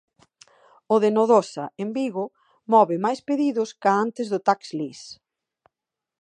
O de Nodosa, en Vigo, move máis pedidos ca antes do tax lease.